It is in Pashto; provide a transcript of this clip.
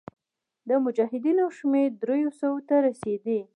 د مجاهدینو شمېر دریو سوو ته رسېدی.